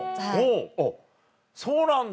そうなんだ。